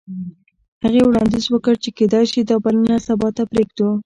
هغې وړاندیز وکړ چې کیدای شي دا بلنه سبا ته پریږدو